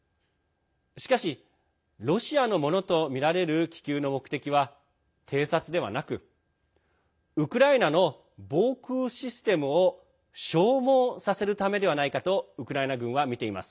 しかし、ロシアのものとみられる気球の目的は、偵察ではなくウクライナの防空システムを消耗させるためではないかとウクライナ軍はみています。